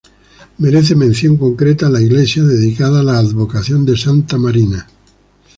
Merece mención concreta la iglesia, dedicada a la advocación de Santa Marina.